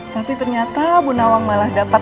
tapi ternyata bunawang malah dapat